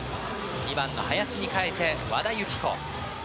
２番の林に代えて和田由紀子。